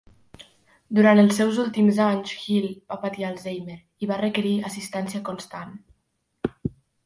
Durant els seus últims anys, Hill va patir Alzheimer i va requerir assistència constant.